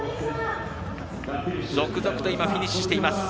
続々とフィニッシュしています。